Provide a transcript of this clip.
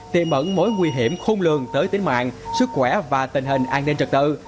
tiềm ẩn mối nguy hiểm khung lường tới tính mạng sức khỏe và tình hình an ninh trật tự